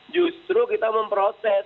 justru kita memproses